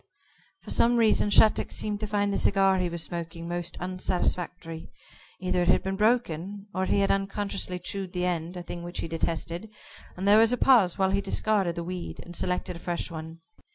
For some reason Shattuck seemed to find the cigar he was smoking most unsatisfactory. Either it had been broken, or he had unconsciously chewed the end a thing which he detested and there was a pause while he discarded the weed, and selected a fresh one.